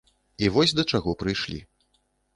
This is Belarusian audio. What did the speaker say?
І вось да чаго прыйшлі.